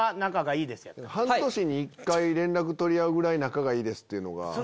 「半年に１回連絡取り合うぐらい仲がいいです」が。